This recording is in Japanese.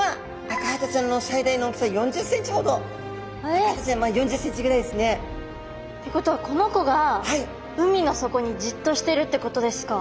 アカハタちゃん４０ｃｍぐらいですね。ってことはこの子が海の底にじっとしてるってことですか？